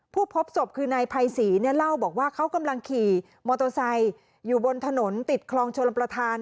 พบศพคือนายภัยศรีเนี่ยเล่าบอกว่าเขากำลังขี่มอเตอร์ไซค์อยู่บนถนนติดคลองชลประธาน